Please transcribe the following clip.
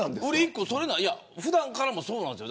普段からもそうなんですよ。